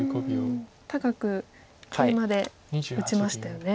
高くケイマで打ちましたよね。